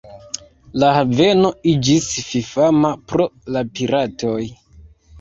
La haveno iĝis fifama pro la piratoj.